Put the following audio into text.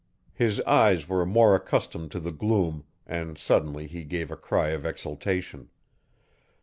His eyes were more accustomed to the gloom, and suddenly he gave a cry of exultation.